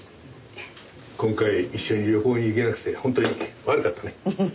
今回一緒に旅行に行けなくて本当に悪かったね。